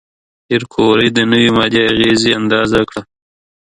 پېیر کوري د نوې ماده اغېزې اندازه کړه.